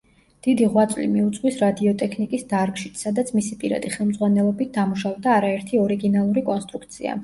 დიდი ღვაწლი მიუძღვის რადიოტექნიკის დარგშიც, სადაც მისი პირადი ხელმძღვანელობით დამუშავდა არაერთი ორიგინალური კონსტრუქცია.